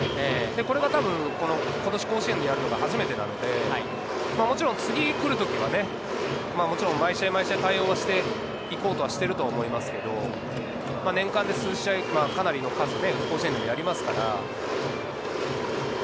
これが多分、今年、甲子園でやるのが初めてなので、もちろん次来るときは毎試合、毎試合、対応はして行こうと思ってると思いますけれど、年間でかなりの数、甲子園でもやりますから。